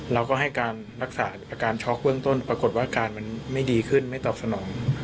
เราก็ให้การรักษาอาการช็อกเบื้องต้นปรากฏว่าอาการมันไม่ดีขึ้นไม่ตอบสนอง